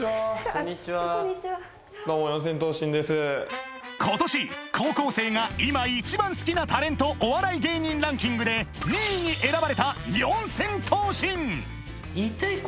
こんにちはどうも今年高校生が今一番好きなタレントお笑い芸人ランキングで２位に選ばれた四千頭身